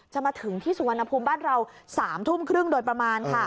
จะมาถึงที่สุวรรณภูมิบ้านเรา๓ทุ่มครึ่งโดยประมาณค่ะ